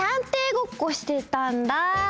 ごっこしてたんだ。